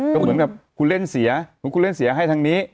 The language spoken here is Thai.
ก็เหมือนกับคุณเล่นเสียเหมือนคุณเล่นเสียให้ทางนี้